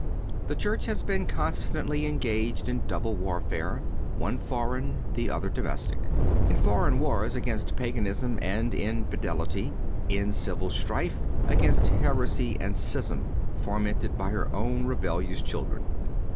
The Church has been constantly engaged in a double warfare, one foreign, the other domestic—in foreign war against Paganism and infidelity; in civil strife against heresy and schism fomented by her own rebellious children.